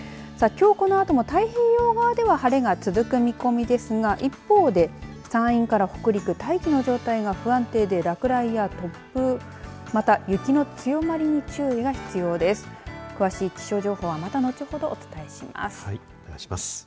きょうこのあとも太平洋側では晴れが続く見込みですが一方で山陰から北陸大気の状態が不安定で落雷や突風また、雪の強まりに注意が必要です。